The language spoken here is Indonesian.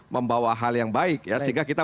membawa hal yang baik ya sehingga kita